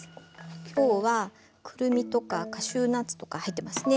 今日はクルミとかカシューナッツとか入ってますね。